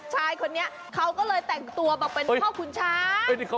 ชายคนนี้เขาก็เลยแต่งตัวมาเป็นพ่อคุณช้าง